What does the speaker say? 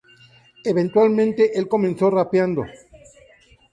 Eventualmente el comenzó rapeando.